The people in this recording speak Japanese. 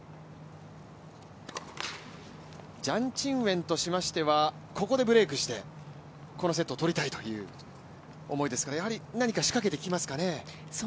ジャン・チンウェンとしましてはここでブレークして、このセットを取りたいという思いですからやはり何か仕掛けてきますかね？